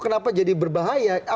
kenapa jadi berbahaya